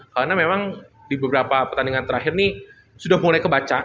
karena memang di beberapa pertandingan terakhir ini sudah mulai kebaca